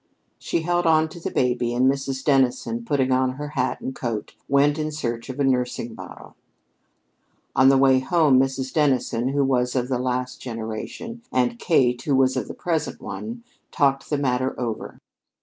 She held on to the baby, and Mrs. Dennison, putting on her hat and coat, went in search of a nursing bottle. On the way home, Mrs. Dennison, who was of the last generation, and Kate, who was of the present one, talked the matter over.